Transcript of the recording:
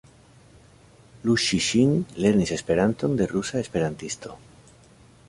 Lu Ŝi-Ŝin lernis Esperanton de rusa esperantisto.